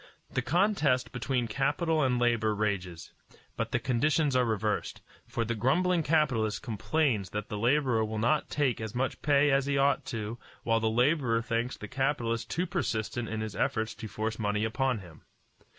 The contest between capital and labor rages, but the conditions are reversed; for the grumbling capitalist complains that the laborer will not take as much pay as he ought to while the laborer thinks the capitalist too persistent in his efforts to force money upon him.